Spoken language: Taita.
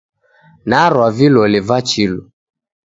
Narwa vilole va chilu.